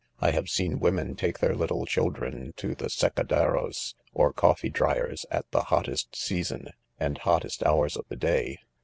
I have seen women take their little children to the cc secaderos," or coffee dryers, at the hottest season and hottest hours of the day